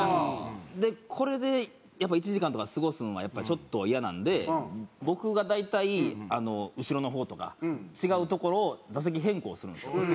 でこれで１時間とか過ごすのはやっぱちょっとイヤなので僕が大体後ろの方とか違う所を座席変更するんですよ。